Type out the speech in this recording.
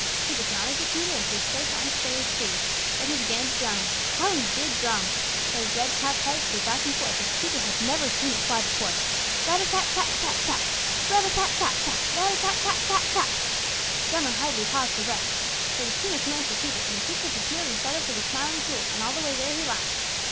He just nodded to Peter and flew straight to Unc' Billy's tree. Then he began to drum. How he did drum! His red capped head flew back and forth as Peter never had seen it fly before. Rat a tat tat tat tat! Rat a tat tat tat! Rat a tat tat tat tat! Drummer hardly paused for breath. There was too much noise for Peter, and he kicked up his heels and started for the Smiling Pool, and all the way there he laughed.